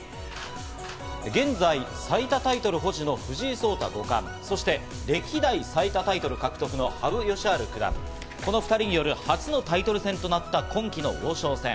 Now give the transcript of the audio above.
現在、最多タイトル保持の藤井聡太五冠、そして歴代最多タイトル獲得の羽生善治九段、この２人による初のタイトル戦となった今季の王将戦。